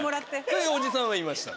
そういうおじさんはいました。